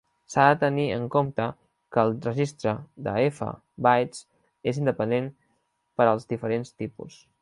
S'ha de tenir en compte que el registre de "F" bytes és independent per als diferents tipus.